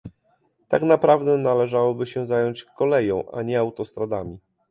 Tak naprawdę należałoby się zająć koleją, a nie autostradami